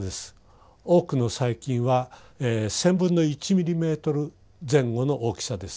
多くの細菌は１０００分の１ミリメートル前後の大きさです。